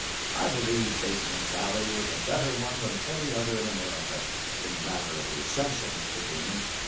I believe Bateman's alley was a better one than any other in America, in the matter of the essentials of the game.